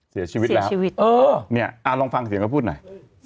เสียชีวิตแล้วชีวิตเออเนี่ยลองฟังเสียงเขาพูดหน่อย